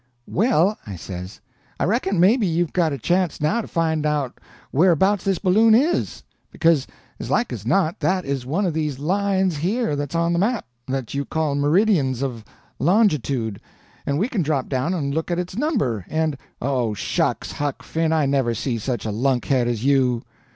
"Well," I says, "I reckon maybe you've got a chance now to find out whereabouts this balloon is, because as like as not that is one of these lines here, that's on the map, that you call meridians of longitude, and we can drop down and look at its number, and—" "Oh, shucks, Huck Finn, I never see such a lunkhead as you.